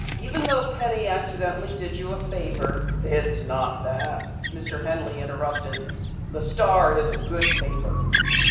"Even though Penny accidentally did you a favor " "It's not that," Mr. Henley interrupted. "The Star is a good paper."